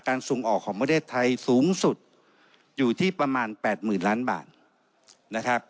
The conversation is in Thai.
การส่งออกของมดรศไทยสูงสุดอยู่ที่ประมาณ๘หมื่นล้านบาท